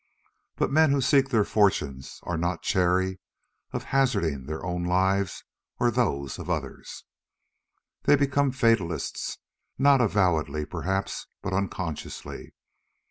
But men who seek their fortunes are not chary of hazarding their own lives or those of others. They become fatalists, not avowedly perhaps, but unconsciously.